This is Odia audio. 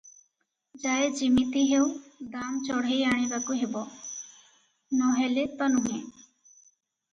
ଯାଏ ଯିମିତି ହେଉ ଦାମ ଚଢ଼େଇ ଆଣିବାକୁ ହେବ, ନ ହେଲେ ତ ନୁହେଁ ।